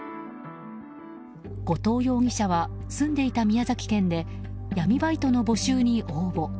後藤容疑者は住んでいた宮崎県で闇バイトの募集に応募。